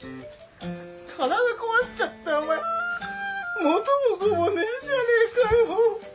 体壊しちゃったらお前元も子もねえじゃねえかよ。